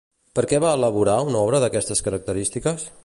Per què va elaborar una obra d'aquestes característiques?